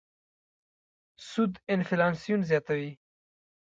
سود انفلاسیون زیاتوي.